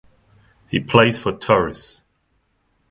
He plays for Turris.